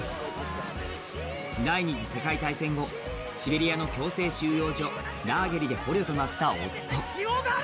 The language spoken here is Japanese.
第二次世界大戦後、シベリアの強制収容所で捕虜となった夫。